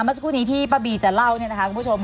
เมื่อสักครู่นี้ที่ป้าบีจะเล่าคุณผู้ชม